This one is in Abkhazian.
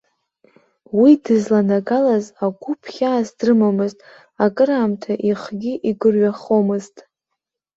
Уи дызланагалаз агәыԥ хьаас дрымамызт, акыраамҭа ихгьы игәырҩахомызт.